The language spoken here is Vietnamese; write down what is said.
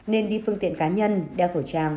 nên đi phương tiện cá nhân đeo thổ trang